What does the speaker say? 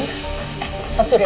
eh mas surya